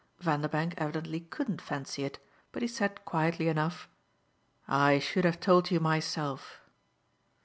Vanderbank evidently couldn't fancy it, but he said quietly enough: "I should have told you myself."